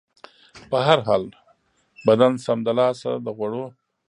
په هر حال، بدن سمدلاسه د غوړو